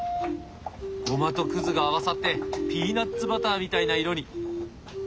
ごまとが合わさってピーナツバターみたいな色に！